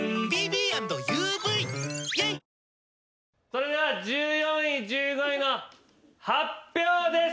それでは１４位１５位の発表です。